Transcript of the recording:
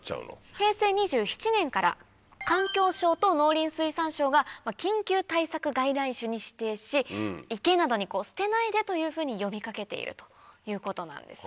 平成２７年から環境省と農林水産省が緊急対策外来種に指定し池などに捨てないでというふうに呼び掛けているということなんです。